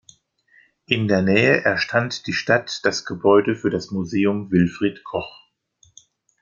In der Nähe erstand die Stadt das Gebäude für das Museum Wilfried Koch.